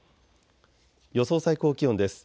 予想最高気温です。